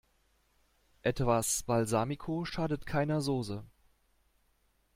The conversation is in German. Etwas Balsamico schadet keiner Soße.